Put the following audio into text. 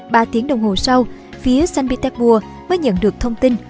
ba tiếng đồng hồ sau phía sanpetebu mới nhận được thông tin